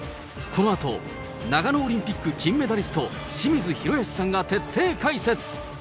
このあと長野オリンピック金メダリスト、清水宏保さんが徹底解説。